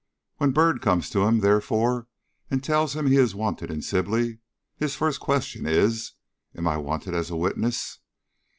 When Byrd comes to him, therefore, and tells him he is wanted in Sibley, his first question is, 'Am I wanted as a witness?'